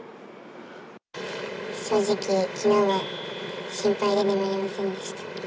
正直、きのうは心配で眠れませんでした。